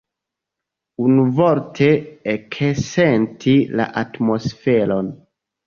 Unuvorte, eksenti la atmosferon.